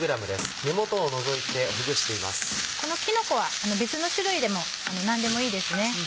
このキノコは別の種類でも何でもいいですね。